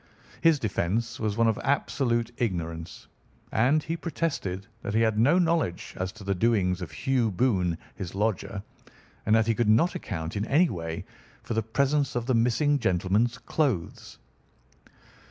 His defence was one of absolute ignorance, and he protested that he had no knowledge as to the doings of Hugh Boone, his lodger, and that he could not account in any way for the presence of the missing gentleman's clothes.